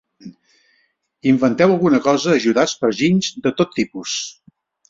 Inventeu alguna cosa ajudats per ginys de tot tipus.